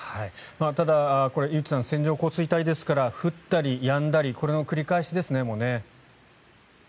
ただ、居内さん線状降水帯ですから降ったりやんだりこれの繰り返しですね。